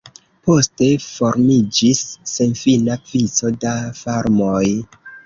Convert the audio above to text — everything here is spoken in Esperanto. Poste formiĝis senfina vico da farmoj.